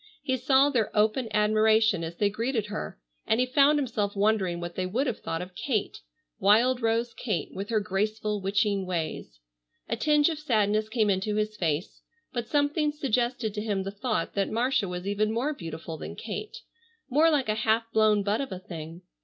He saw their open admiration as they greeted her, and he found himself wondering what they would have thought of Kate, wild rose Kate with her graceful witching ways. A tinge of sadness came into his face, but something suggested to him the thought that Marcia was even more beautiful than Kate, more like a half blown bud of a thing.